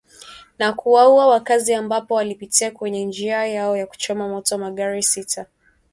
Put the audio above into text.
na kuwaua wakazi ambapo walipita kwenye njia yao na kuchoma moto magari sita